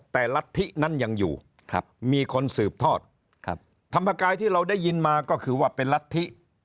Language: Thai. แต่รัฐธินั้นยังอยู่มีคนสืบทอดธรรมกายที่เราได้ยินมาก็คือว่าเป็นรัฐธิ